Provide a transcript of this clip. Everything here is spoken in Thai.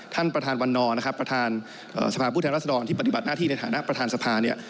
ท่านประธานวันนอร์นะครับประธานสภาพผู้แทนรัศดรที่ปฏิบัติหน้าที่ในฐานะประธานสภาเนี่ย